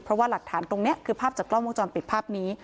เพราะว่าหลักฐานตรงนี้คือภาพจากกล้องวงจรปิดภาพนี้